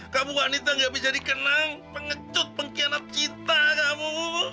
kamu wanita gak bisa dikenang pengecut pengkhianat cinta kamu